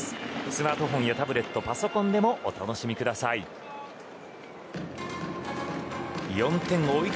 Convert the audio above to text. スマートフォンやタブレットパソコンでもお楽しみください。